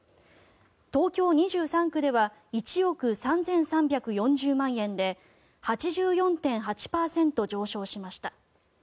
東京２３区では１億３３４０万円で８４．８％上昇しました。